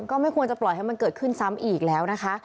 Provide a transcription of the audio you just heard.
ก็ไม่ควรจะปล่อยให้มันเกิดขึ้นซ้ำอีกแล้วนะคะ